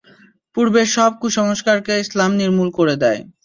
পূর্বের সব কুসংস্কারকে ইসলাম নির্মূল করে দেয়।